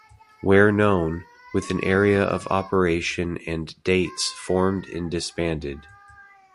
Where known, with area of operation and dates formed and disbanded.